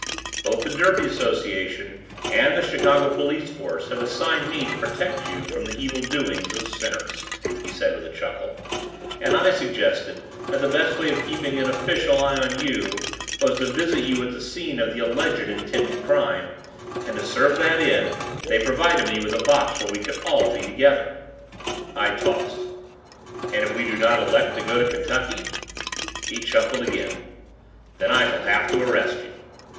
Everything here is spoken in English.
"Both the Derby Association and the Chicago Police Force have assigned me to protect you from the evil doings of sinners," he said with a chuckle. "And I suggested that the best way of keeping an official eye on you was to visit you at the scene of the alleged intended crime and to serve that end they provided me with a box where we can all be together." I tossed, "And if we do not elect to go to Kentucky?" He chuckled again. "Then I shall have to arrest you."